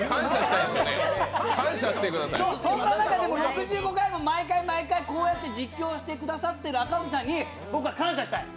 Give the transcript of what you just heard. そんな中でも６５回、毎回実況してくださってる赤荻さんに僕は感謝したい。